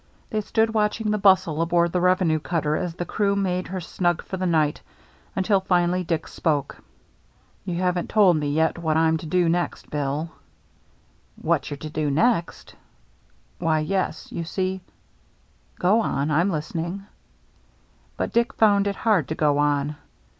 They stood watching the bustle aboard the revenue cutter as the crew made her snug for the night, until finally Dick spoke :—" You haven't told me yet what Tm to do next. Bill." 403 404 THE MERRT ANNE " What you're to do next ?"« Why — yes. You see —"" Go on. I'm listening." But Dick found it hard to go on.